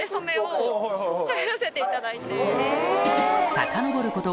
さかのぼること